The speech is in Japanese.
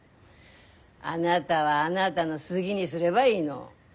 あなたはあなたの好ぎにすればいいの。